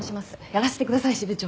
やらせてください支部長！